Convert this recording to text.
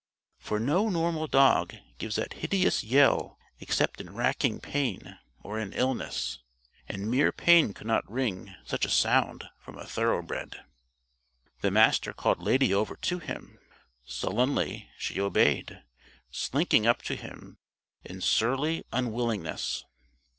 For no normal dog gives that hideous yell except in racking pain or in illness; and mere pain could not wring such a sound from a thoroughbred. The Master called Lady over to him. Sullenly she obeyed, slinking up to him in surly unwillingness.